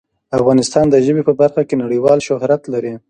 افغانستان د ژبې په برخه کې نړیوال شهرت لري.